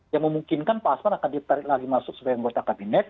yang memungkinkan pak asman akan ditarik lagi masuk sebagai anggota kabinet